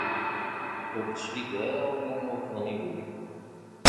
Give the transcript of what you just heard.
Ur d-cligeɣ ara ula ma ukḍen-iyi.